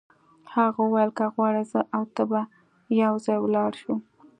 هغه وویل که غواړې زه او ته به یو ځای ولاړ شو.